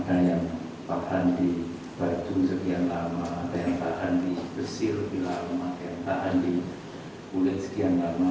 ada yang tahan di baju sekian lama ada yang tahan di besir bila memakai tahan di kulit sekian lama